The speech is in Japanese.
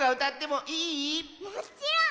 もっちろん！